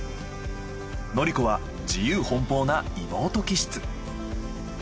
宣子は自由奔放な妹気質。